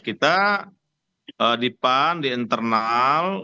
kita di pan di internal